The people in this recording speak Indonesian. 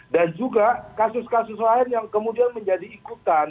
dan juga kasus kasus lain yang kemudian menjadi ikutan